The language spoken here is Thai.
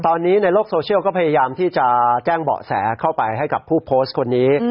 ตอนนี้ในโลกโซเชียลก็พยายามที่จะแจ้งเบาะแสเข้าไปให้กับผู้โพสต์คนนี้